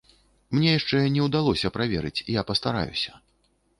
Мне яшчэ не ўдалося праверыць, я пастараюся.